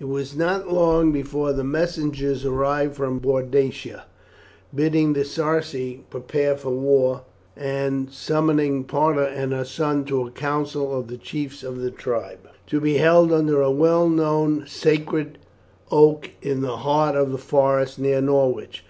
It was not long before messengers arrived from Boadicea, bidding the Sarci prepare for war, and summoning Parta and her son to a council of the chiefs of the tribe, to be held under a well known sacred oak in the heart of the forest, near Norwich.